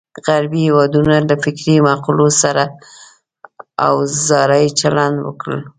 غربي هېوادونو له فکري مقولو سره اوزاري چلند وکړ.